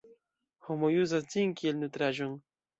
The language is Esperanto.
Homoj uzas ĝin kiel nutraĵon.